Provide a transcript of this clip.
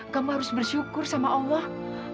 kamu harus bersyukur sama allah